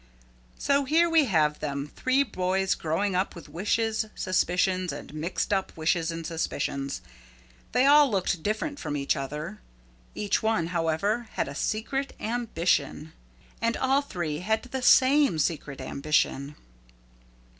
So here we have 'em, three boys growing up with wishes, suspicions and mixed up wishes and suspicions. They all looked different from each other. Each one, however, had a secret ambition. And all three had the same secret ambition.